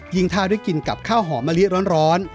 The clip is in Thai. ถ้าได้กินกับข้าวหอมมะลิร้อน